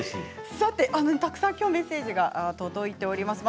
たくさんメッセージが届いています。